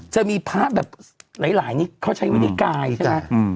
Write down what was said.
จะมีพระแบบหลายนี่เขาใช้วินิกายใช่ไหม